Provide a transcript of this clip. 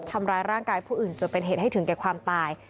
ทำร้ายร่างกายผู้อื่นจนเป็นเหตุให้ถึงแก่ความตาย